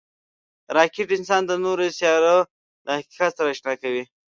راکټ انسان د نورو سیارو له حقیقت سره اشنا کړ